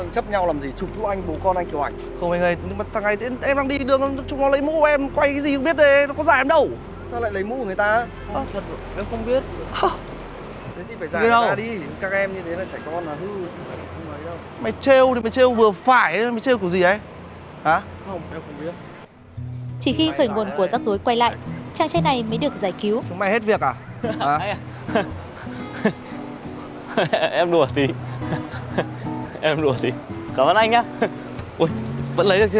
chỉ khi khởi nguồn của giác dối quay lại trang trách này mới được giải cứu